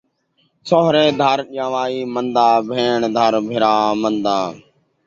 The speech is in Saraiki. سوہرے گھر ڄن٘وائی من٘دا ، بھیݨ گھر بھائی من٘دا